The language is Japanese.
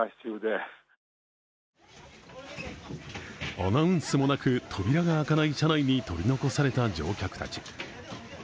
アナウンスもなく、扉が開かない車内に取り残された乗客たち。